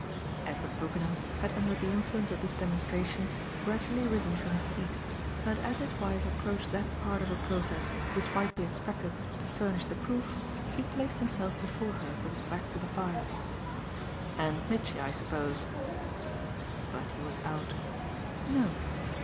Edward Brookenham had under the influence of this demonstration gradually risen from his seat, and as his wife approached that part of her process which might be expected to furnish the proof he placed himself before her with his back to the fire. "And Mitchy, I suppose?" But he was out. "No.